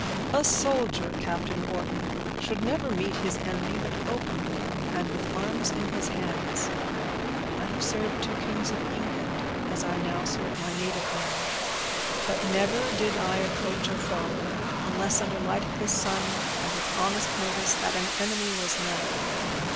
"A soldier, Captain Wharton, should never meet his enemy but openly, and with arms in his hands. I have served two kings of England, as I now serve my native land; but never did I approach a foe, unless under the light of the sun, and with honest notice that an enemy was nigh."